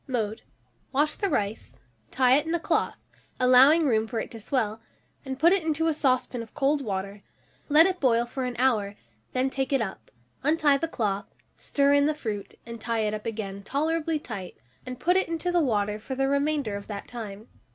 Mode. Wash the rice, tie it in a cloth, allowing room for it to swell, and put it into a saucepan of cold water; let it boil for an hour, then take it up, untie the cloth, stir in the fruit, and tie it up again tolerably tight, and put it into the water for the remainder of the time.